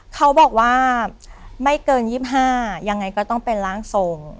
เขาบอกว่าไม่เกิน๒๕ยังไงก็ต้องเป็นร่างทรง